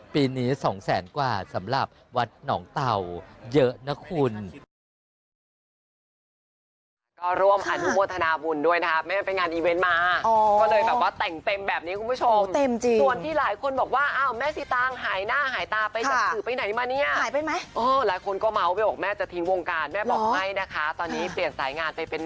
ปีนี้๒แสนกว่าสำหรับวัดหนองเต่าเยอะนะคุณ